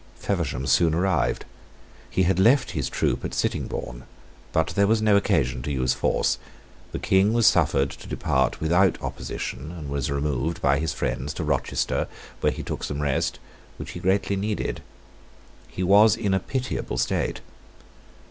Feversham soon arrived. He had left his troop at Sittingbourne; but there was no occasion to use force. The King was suffered to depart without opposition, and was removed by his friends to Rochester, where he took some rest, which he greatly needed. He was in a pitiable state.